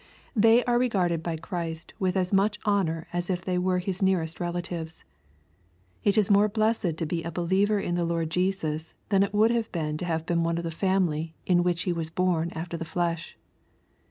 They are regarded by Christ with as much honor as if they were His nearest relatives. It is more blessed to be a believer in the Lord Jesus than it would have been to have been one of the family in which He was born after the flesh.